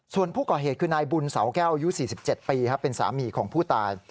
ส่วนผู้ก่อเหตุคือนายบุญเสาแก้วอายุ๔๗ปีเป็นสามีของผู้ตาย